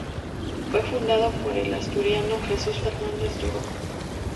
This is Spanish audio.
Fue fundado por el asturiano Jesús Fernández Duro.